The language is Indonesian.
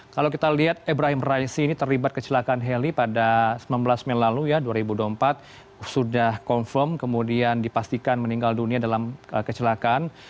kalau kita lihat ibrahim razi ini terlibat kecelakaan heli pada sembilan belas mei lalu ya dua ribu dua puluh empat sudah confirm kemudian dipastikan meninggal dunia dalam kecelakaan